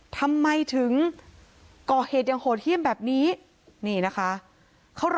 ทำไมถึงก่อเหตุอย่างโหดเยี่ยมแบบนี้นี่นะคะเขารอ